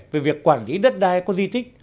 về việc quản lý đất đai có di tích